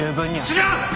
違う！